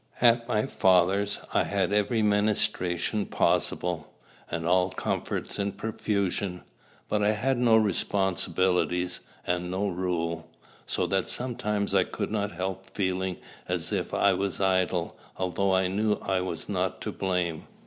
At my father's, I had every ministration possible, and all comforts in profusion; but I had no responsibilities, and no rule; so that sometimes I could not help feeling as if I was idle, although I knew I was not to blame.